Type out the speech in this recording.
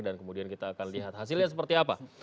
dan kemudian kita akan lihat hasilnya seperti apa